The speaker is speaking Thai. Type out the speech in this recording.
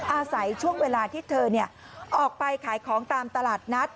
อาศัยช่วงเวลาที่เธอออกไปขายของตามตลาดนัด